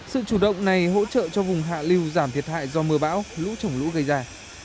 sự chủ động này hỗ trợ cho vùng hạ lưu giảm thiệt hại do mưa bão lũ trồng lũ gây ra